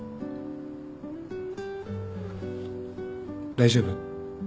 大丈夫？